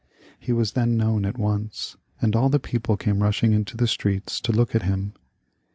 He was then known at once, and all the people came rushing into the streets to look at him.